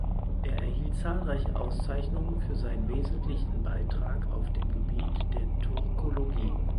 Er erhielt zahlreiche Auszeichnungen für seinen wesentlichen Beitrag auf dem Gebiet der Turkologie.